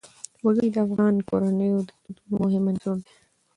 وګړي د افغان کورنیو د دودونو مهم عنصر دی.